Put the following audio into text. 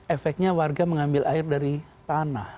efeknya warga mengambil air dari tanah